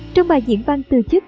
trong bài diễn văn từ chức